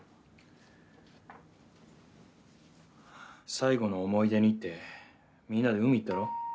最後の思い出にってみんなで海行ったろ？